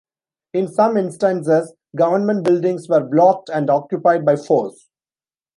In some instances, government buildings were blocked and occupied by force.